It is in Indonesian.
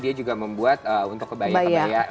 dia juga membuat untuk kebaya kebaya